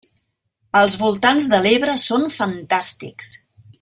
Els voltants de l'Ebre són fantàstics!